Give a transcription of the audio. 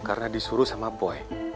karena disuruh sama boy